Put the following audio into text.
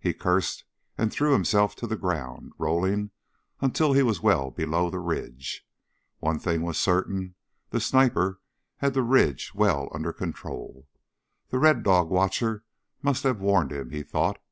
He cursed and threw himself to the ground, rolling until he was well below the ridge. One thing was certain: the sniper had the ridge well under control. The Red Dog watcher must have warned him, he thought.